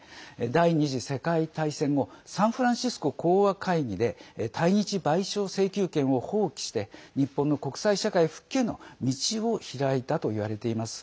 第２次世界大戦後サンフランシスコ講和会議で対日賠償請求権を放棄して日本の国際社会復帰への道を開いたといわれています。